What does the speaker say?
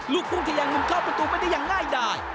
ลูกพุ่งทะยังลุมเข้าประตูไม่ได้อย่างง่ายได้